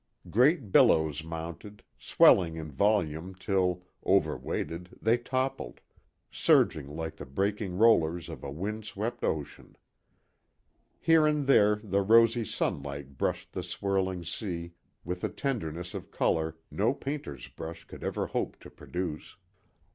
Great billows mounted, swelling in volume till, overweighted, they toppled, surging like the breaking rollers of a wind swept ocean. Here and there the rosy sunlight brushed the swirling sea with a tenderness of color no painter's brush could ever hope to produce.